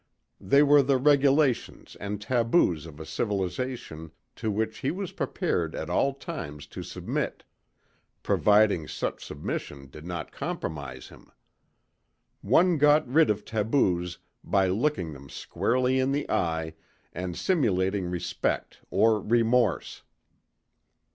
They were the regulations and taboos of a civilization to which he was prepared at all times to submit, providing such submission did not compromise him. One got rid of taboos by looking them squarely in the eye and simulating respect or remorse.